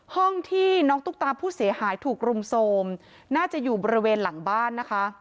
ห้องที่น้องตุ๊กตาผู้เสียหายถูกรุมโทรมน่าจะอยู่บริเวณหลังบ้านนะคะ